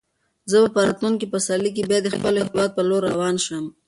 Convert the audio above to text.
زه به په راتلونکي پسرلي کې بیا د خپل هیواد په لور روان شم.